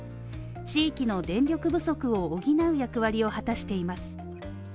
地域の電力不足を補う役割を果たしています。